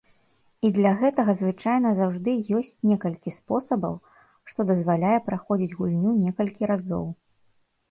І для гэтага звычайна заўжды ёсць некалькі спосабаў, што дазваляе праходзіць гульню некалькі разоў.